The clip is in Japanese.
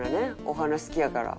お花好きやから。